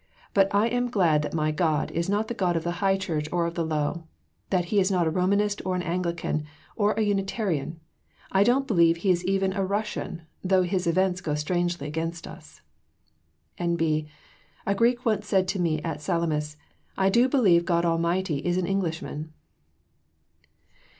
But I am so glad that my God is not the God of the High Church or of the Low, that He is not a Romanist or an Anglican or a Unitarian. I don't believe He is even a Russian, though His events go strangely against us. (N.B. A Greek once said to me at Salamis, 'I do believe God Almighty is an Englishman.')"